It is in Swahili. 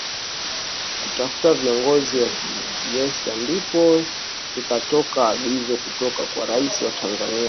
kutafuta viongozi wa fiesta Ndipo likatoka agizo kutoka kwa Rais wa Tanzania